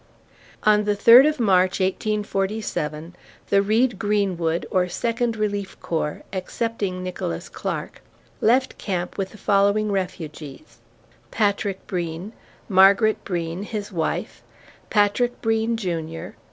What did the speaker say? On the third of March, 1847, the Reed Greenwood, or Second Relief Corps (excepting Nicholas Clark) left camp with the following refugees: Patrick Breen, Margaret Breen (his wife), Patrick Breen, Jr.